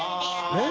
えっ？